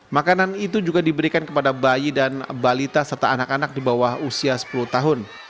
makanan itu juga diberikan kepada bayi dan balita serta anak anak di bawah usia sepuluh tahun